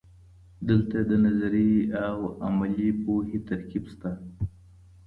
دلته د نظري او عملي پوهې ترکیب سته.